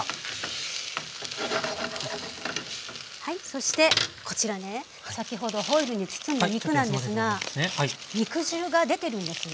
そしてこちらね先ほどホイルに包んだ肉なんですが肉汁が出てるんです。